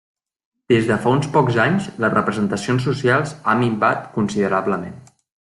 Des de fa uns pocs anys, les representacions socials ha minvat considerablement.